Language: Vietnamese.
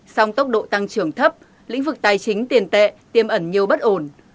song tốc độ tăng trưởng thấp lĩnh vực tài chính tiền tệ tiêm ẩn nhiều bất ổn